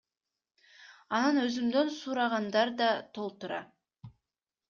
Анан өзүмдөн сурагандар да толтура.